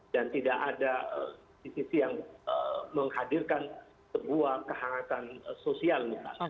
dan tidak ada di sisi yang menghadirkan sebuah kehangatan sosial